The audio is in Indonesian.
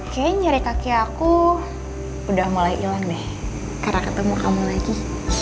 kayaknya nyari kaki aku udah mulai hilang deh karena ketemu kamu lagi